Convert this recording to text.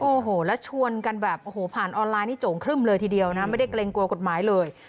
โอ้โหแล้วชวนกันแบบโอ้โหผ่านออนไลน์นี่โจ่งครึ่มเลยทีเดียวนะไม่ได้เกรงกลัวกฎหมายเลย